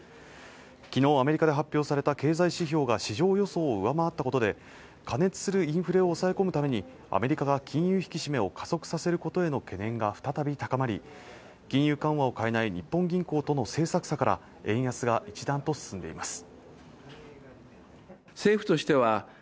昨日アメリカで発表された経済指標が市場予想を上回ったことで過熱するインフレを抑え込むためにアメリカが金融引き締めを加速させることへの懸念が再び高まり金融緩和を変えない日本銀行との政策差から円安が一段と進んでいます